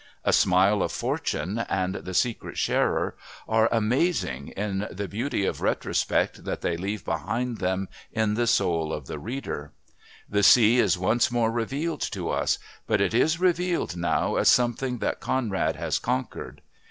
A Smile of Fortune and The Secret Sharer are amazing in the beauty of retrospect that they leave behind them in the soul of the reader. The sea is once more revealed to us, but it is revealed now as something that Conrad has conquered.